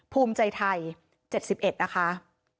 ภูมิใจไทย๗๑นะคะ